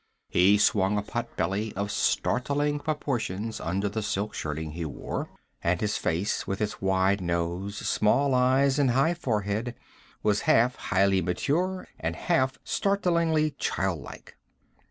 He swung a potbelly of startling proportions under the silk shirting he wore, and his face, with its wide nose, small eyes and high forehead, was half highly mature, half startlingly childlike.